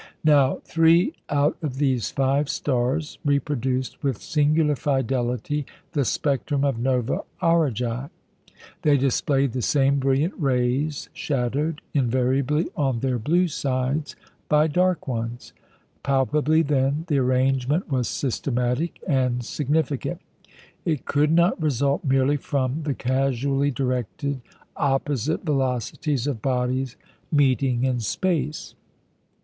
Now, three out of these five stars reproduced with singular fidelity the spectrum of Nova Aurigæ; they displayed the same brilliant rays shadowed, invariably on their blue sides, by dark ones. Palpably, then, the arrangement was systematic and significant; it could not result merely from the casually directed, opposite velocities of bodies meeting in space.